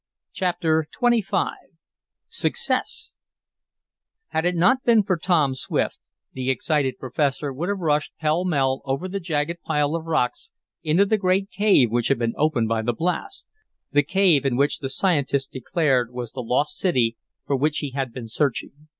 Chapter XXV Success Had it not been for Tom Swift, the excited professor would have rushed pellmell over the jagged pile of rocks into the great cave which had been opened by the blast, the cave in which the scientist declared was the lost city for which he had been searching.